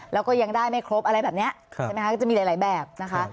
แล้วก็ยังได้ไม่ครบอะไรแบบนี้ใช่ไหมคะก็จะมีหลายแบบนะคะ